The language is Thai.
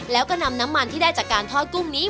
แล้วก็นำน้ำมันที่ได้จากการทอดกุ้งนี้